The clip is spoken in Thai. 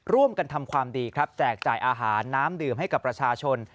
ร่วมกันทำความดีครับแจกจ่ายอาหารน้ำดื่มให้กับประชาชน